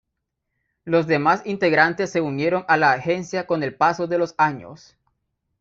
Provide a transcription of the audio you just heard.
Los demás integrantes se unieron a la agencia con el paso de los años.